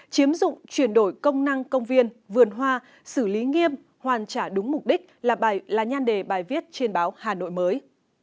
chiếm dụng chuyển đổi công năng công viên vườn hoa xử lý nghiêm hoàn trả đúng mục đích là nhan đề bài viết trên báo hà nội mới